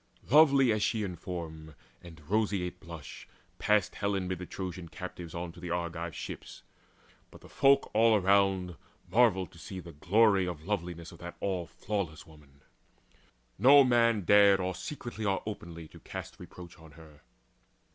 Lovely as she in form and roseate blush Passed Helen mid the Trojan captives on To the Argive ships. But the folk all around Marvelled to see the glory of loveliness Of that all flawless woman. No man dared Or secretly or openly to cast Reproach on her.